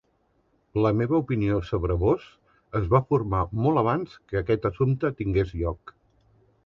La meva opinió sobre vós es va formar molt abans que aquest assumpte tingués lloc.